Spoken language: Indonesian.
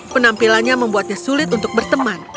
penampilannya membuatnya sulit untuk berteman